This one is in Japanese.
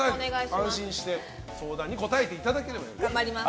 安心して相談に答えていただければ。